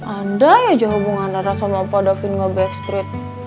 anda aja hubungan rara sama opo davin ngga backstreet